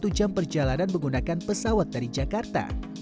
setelah menjalankan perjalanan menggunakan pesawat dari jakarta